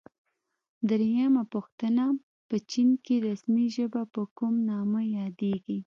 درېمه پوښتنه: په چین کې رسمي ژبه په کوم نامه یادیږي؟